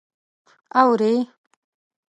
_اورې؟